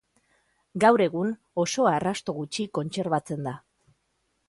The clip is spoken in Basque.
Gaur egun, oso arrasto gutxi kontserbatzen da.